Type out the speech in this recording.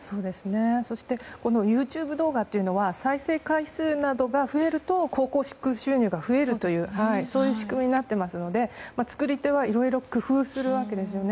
そして、このＹｏｕＴｕｂｅ動画というのは再生回数などが増えると広告収入が増えるという仕組みになっていますので作り手はいろいろ工夫するわけですよね。